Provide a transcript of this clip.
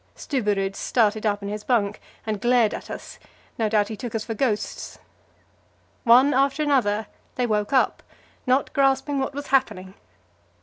Stubberud started up in his bunk and glared at us; no doubt he took us for ghosts. One after another they woke up not grasping what was happening.